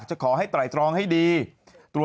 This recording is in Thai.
จังหรือเปล่าจังหรือเปล่า